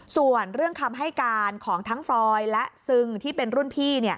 ส่วนเรื่องคำให้การของทั้งฟรอยและซึงที่เป็นรุ่นพี่